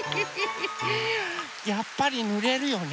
やっぱりぬれるよね。